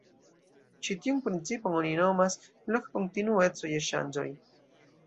Ĉi tiun principon oni nomas "loka kontinueco je ŝanĝoj".